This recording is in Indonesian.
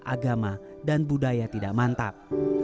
agama dan budaya tidak mantap